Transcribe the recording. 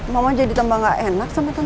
mama jadi tambah gak enak sama tante nawang